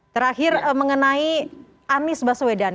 terakhir mengenai anies baswedan